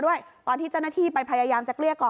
พอหลังจากเกิดเหตุแล้วเจ้าหน้าที่ต้องไปพยายามเกลี้ยกล่อม